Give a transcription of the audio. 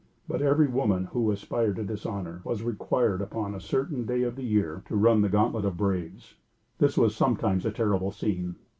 But every woman who aspired to this honor, was required upon a certain day in the year, to run the gauntlet of braves. This was sometimes a terrible scene.